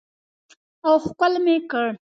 او ښکل مې کړ.